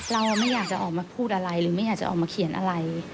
เราไม่อยากจะออกมาพูดอะไรหรือไม่อยากจะออกมาเขียนอะไร